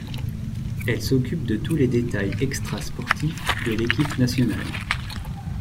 Elle s'occupe de tous les détails extra-sportifs de l'équipe nationale.